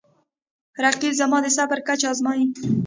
رقیب زما د صبر کچه ازموي